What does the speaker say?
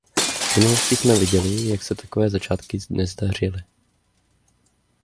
V minulosti jsme viděli, jak se takové začátky nezdařily.